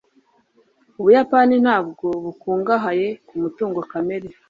ubuyapani ntabwo bukungahaye ku mutungo kamere